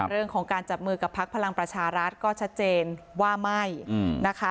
เรื่องของการจับมือกับพักพลังประชารัฐก็ชัดเจนว่าไม่นะคะ